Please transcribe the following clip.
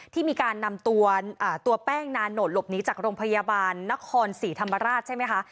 ที่มีการนำตัวแป้งนานโหดหลบหนีจากโรงพยาบาลนครศรีธรรมราชใช่ไหมคะ